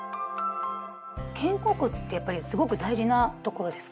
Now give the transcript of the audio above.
肩甲骨ってやっぱりすごく大事なところですか？